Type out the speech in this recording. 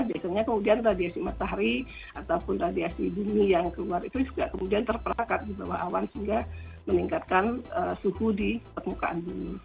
biasanya kemudian radiasi matahari ataupun radiasi bumi yang keluar itu juga kemudian terperangkat di bawah awan sehingga meningkatkan suhu di permukaan bumi